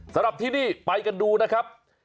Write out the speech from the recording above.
สำหรับที่นี่ไปกันดูนะครับ